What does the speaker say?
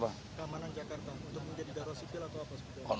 kemanan jakarta untuk menjadi darah sipil atau apa sebagainya